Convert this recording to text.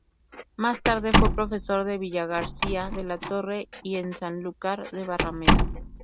Más tarde fue profesor en Villagarcía de la Torre y en Sanlúcar de Barrameda.